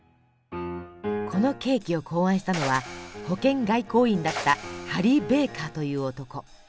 このケーキを考案したのは保険外交員だったハリー・ベーカーという男。